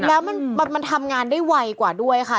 แล้วมันทำงานได้ไวกว่าด้วยค่ะ